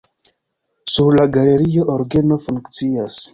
Sur la galerio orgeno funkcias.